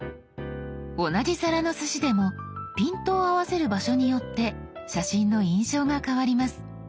同じ皿のすしでもピントを合わせる場所によって写真の印象が変わります。